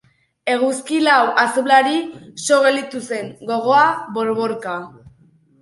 Eguzki lauki azulari so gelditu zen, gogoa borborka.